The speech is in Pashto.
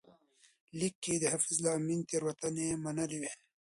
لیک کې یې د حفیظالله امین تېروتنې منلې وې.